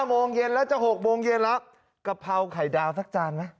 โมงเย็นแล้วจะ๖โมงเย็นแล้วกะเพราไข่ดาวสักจานไหม